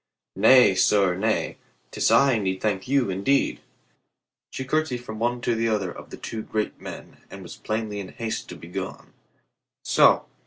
"Nay, sir, nay, 'tis I thank you, indeed." She curtsied from one to other of the two great men and was plainly in haste to be gone. "So.